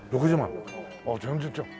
ああ全然違う。